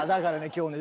今日ね